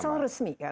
asal resmi kan